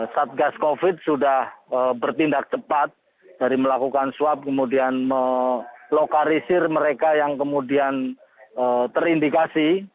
satgas covid sudah bertindak cepat dari melakukan swab kemudian melokalisir mereka yang kemudian terindikasi